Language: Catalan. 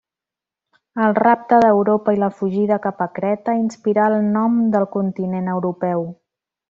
El rapte d'Europa i la fugida cap a Creta inspirà el nom del continent europeu.